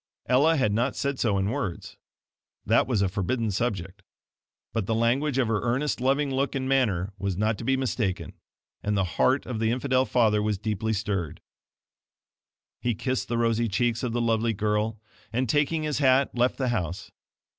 Ella had not said so in words THAT was a forbidden subject but the language of her earnest loving look and manner was not to be mistaken; and the heart of the infidel father was deeply stirred. He kissed the rosy cheeks of the lovely girl, and taking his hat, left the house.